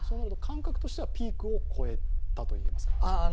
感覚としてはピークを越えたといえますか？